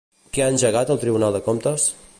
Què ha engegat el Tribunal de Comptes?